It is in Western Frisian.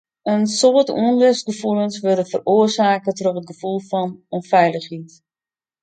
In soad ûnlustgefoelens wurde feroarsake troch it gefoel fan ûnfeilichheid.